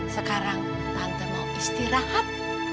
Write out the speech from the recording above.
sekarang tante mau istirahat